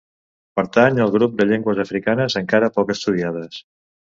Pertany al grup de llengües africanes encara poc estudiades.